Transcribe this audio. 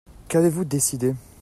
Qu'avez-vous décidé ?